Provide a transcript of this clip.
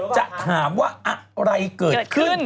จะถามว่าอะไรเกิดขึ้น